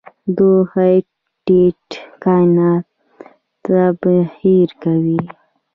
د هیټ ډیت کائنات تبخیر کوي.